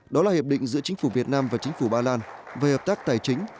đó là hiệp định giữa chính phủ việt nam và chính phủ ba lan về hợp tác tài chính